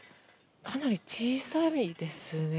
かなり小さいですね。